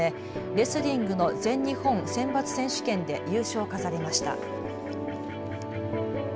レスリングの全日本選抜選手権で優勝を飾りました。